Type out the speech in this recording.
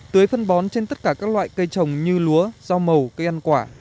tưới phân bón trên tất cả các loại cây trồng như lúa rau màu cây ăn quả